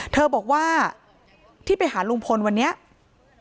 เธอบอกว่าที่ไปหาลุงพลวันนี้ตั้งใจไปให้กำลังใจ